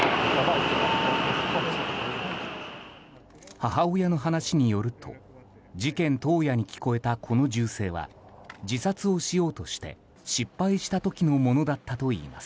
母親の話によると事件当夜に聞こえたこの銃声は自殺をしようとして失敗した時のものだったといいます。